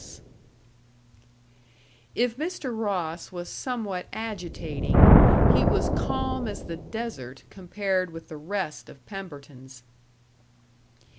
S. If Mr. Ross was somewhat agitating, he was calm as the desert compared with the rest of Pemberton's.